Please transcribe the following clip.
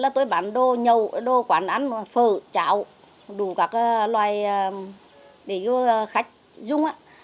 tôi bán đồ nhầu đồ quán ăn phở chảo đủ các loài để cho khách dùng